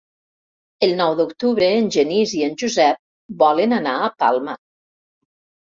El nou d'octubre en Genís i en Josep volen anar a Palma.